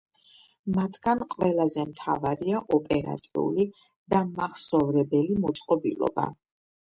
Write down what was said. მათგან ყველაზე მთავარია ოპერატიული დამმახსოვრებელი მოწყობილობა.